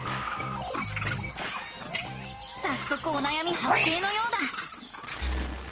さっそくおなやみはっ生のようだ！